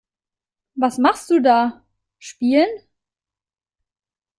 Was machst du da? Spielen.